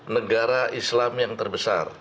negara islam yang terbesar